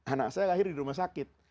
anak saya lahir di rumah sakit